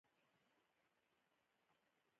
ورته ویې ویل چې قاضي صاحب سلام درته وایه.